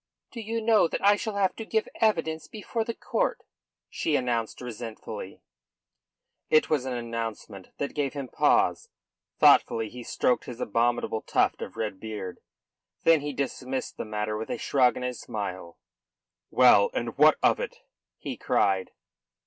"Do you know that I shall have to give evidence before the court?" she announced resentfully. It was an announcement that gave him pause. Thoughtfully he stroked his abominable tuft of red beard. Then he dismissed the matter with a shrug and a smile. "Well, and what of it?" he cried.